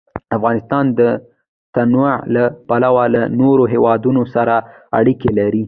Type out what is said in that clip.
افغانستان د تنوع له پلوه له نورو هېوادونو سره اړیکې لري.